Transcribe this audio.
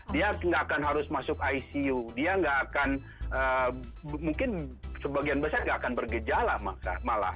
dia nggak akan harus masuk icu dia nggak akan mungkin sebagian besar nggak akan bergejala malah